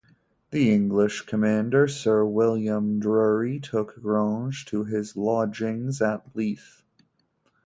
The English commander Sir William Drury took Grange to his lodgings at Leith.